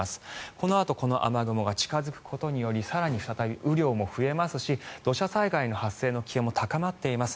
このあとこの雨雲が近付くことにより更に再び雨量も増えますし土砂災害の発生の危険も高まっています。